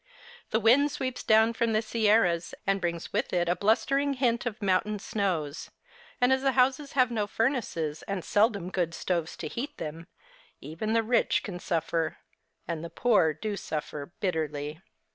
The wind sweeps down from the Sierras and brings with it a blustering hint of mountain snows ; and as the houses have no furnaces and seldom good stoves to heat them, even the rich can suffer, and the poor do suffer bitterly.